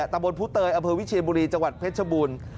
ตะบนผู้เตยอำเภอวิเชียนบุรีจังหวัดเพชรบูรณ์